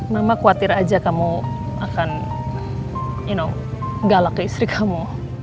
mama khawatir aja kamu akan galak ke istri kamu